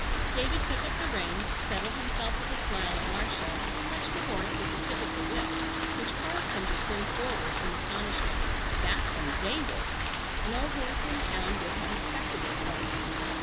David took up the reins, settled himself with a smile at Marcia, touched the horse with the tip of the whip, which caused him to spring forward in astonishment—that from David! No horse in town would have expected it of him.